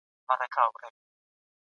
څېړنې مختلفې پایلې ښيي.